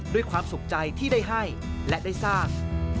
ด้วยความสุขใจที่ได้ให้และได้สร้าง